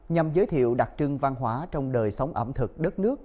nhằm giới thiệu đặc trưng văn hóa trong đời sống ẩm thực đất nước